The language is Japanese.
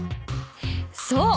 そう！